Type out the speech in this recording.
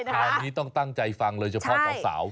คราวนี้ต้องตั้งใจฟังเลยเฉพาะสาว